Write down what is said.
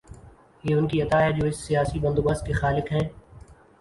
یہ ان کی عطا ہے جو اس سیاسی بندوبست کے خالق ہیں۔